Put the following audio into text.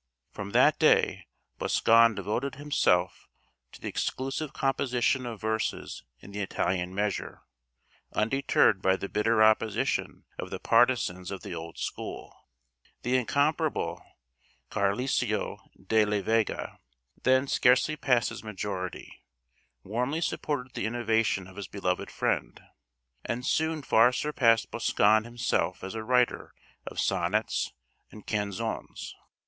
From that day Boscan devoted himself to the exclusive composition of verses in the Italian measure, undeterred by the bitter opposition of the partisans of the old school. The incomparable Garcilaso de la Vega, then scarcely past his majority, warmly supported the innovation of his beloved friend, and soon far surpassed Boscan himself as a writer of sonnets and canzones.